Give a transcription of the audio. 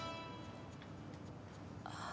ああ。